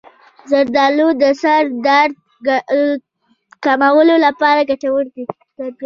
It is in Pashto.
زردآلو د سر درد کمولو لپاره ګټور دي.